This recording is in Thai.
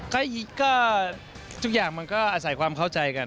ก็ทุกอย่างมันก็อาศัยความเข้าใจกัน